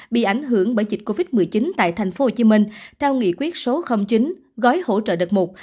bị ảnh hưởng bởi dịch covid một mươi chín tại tp hcm theo nghị quyết số chín gói hỗ trợ đợt một